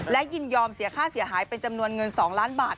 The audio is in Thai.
และยินยอมเสียค่าเสียหายเป็นจำนวนเงิน๒ล้านบาท